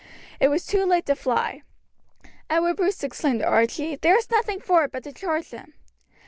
It was too late to fly. Edward Bruce exclaimed to Archie: "There is nothing for it but to charge them."